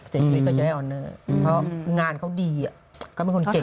เสียชีวิตก็จะได้ออนเนอร์เพราะงานเขาดีเขาเป็นคนเก่ง